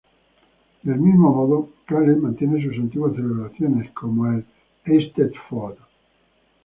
Del mismo modo, Gales mantiene sus antiguas celebraciones, como el Eisteddfod.